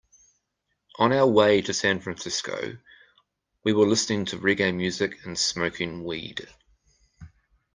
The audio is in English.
On our way to San Francisco, we were listening to reggae music and smoking weed.